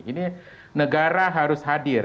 ini negara harus hadir